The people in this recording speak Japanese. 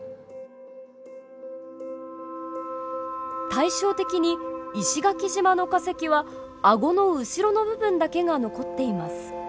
対照的に石垣島の化石はあごの後ろの部分だけが残っています。